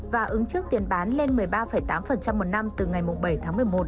và ứng trước tiền bán lên một mươi ba tám một năm từ ngày bảy tháng một mươi một